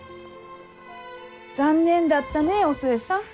残念だったねお寿恵さん。